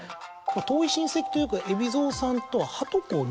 遠い親戚というか海老蔵さんとははとこに？